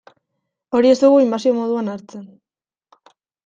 Hori ez dugu inbasio moduan hartzen.